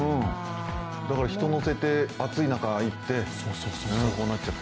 だから人を乗せて暑い中行ってこうなっちゃう。